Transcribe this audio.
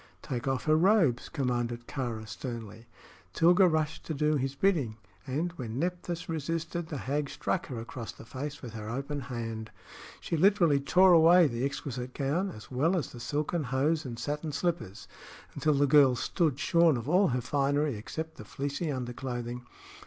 "Take off her robes," commanded Kāra, sternly. Tilga rushed to do his bidding, and, when Nephthys resisted, the hag struck her across the face with her open hand. She literally tore away the exquisite gown, as well as the silken hose and satin slippers, until the girl stood shorn of all her finery except the fleecy underclothing.